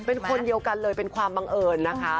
เป็นคนเดียวกันเลยเป็นความบังเอิญนะคะ